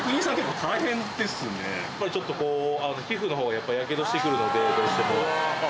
やっぱりちょっと、皮膚のほうがやけどしてくるので、どうしても。